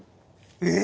え⁉